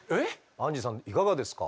アンジェさんいかがですか？